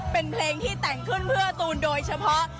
เป็นเพลงที่แต่งขึ้นเพื่อตูนโดยเฉพาะ